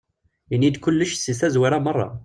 Ini-yi-d kullec seg tazwara meṛṛa.